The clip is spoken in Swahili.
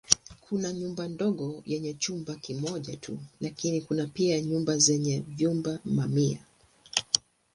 Kuna nyumba ndogo yenye chumba kimoja tu lakini kuna pia nyumba zenye vyumba mamia.